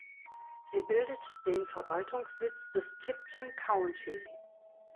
Sie bildet den Verwaltungssitz des Tipton County.